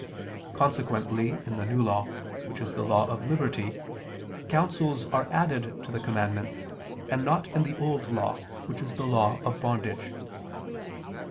Consequently in the New Law, which is the law of liberty, counsels are added to the commandments, and not in the Old Law, which is the law of bondage.